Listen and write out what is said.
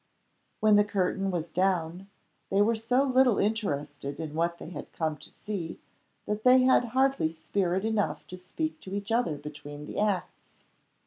When the curtain was down, they were so little interested in what they had come to see, that they had hardly spirit enough to speak to each other between the acts.